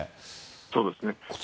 そうですね。